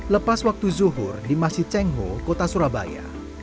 lepas waktu zuhur di masjid tiongho surabaya